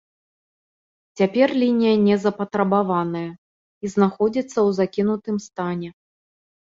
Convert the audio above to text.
Цяпер лінія не запатрабаваная і знаходзіцца ў закінутым стане.